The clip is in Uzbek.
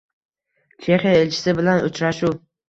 Chexiya elchisi bilan uchrashuv